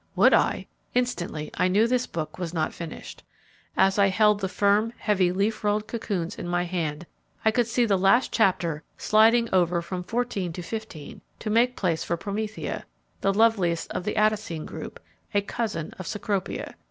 Would I? Instantly I knew this book was not finished. As I held the firm, heavy, leaf rolled cocoons in my hand, I could see the last chapter sliding over from fourteen to fifteen to make place for Promethea, the loveliest of the Attacine group, a cousin of Cecropia.